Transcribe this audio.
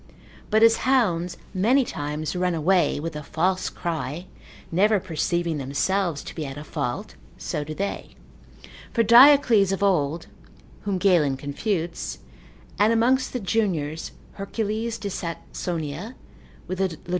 But as hounds many times run away with a false cry, never perceiving themselves to be at a fault, so do they. For Diocles of old, (whom Galen confutes,) and amongst the juniors, Hercules de Saxonia, with Lod.